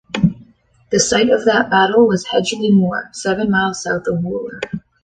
The site of that battle was Hedgeley Moor, seven miles south of Wooler.